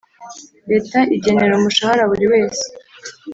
Leta igenera umushara buri wese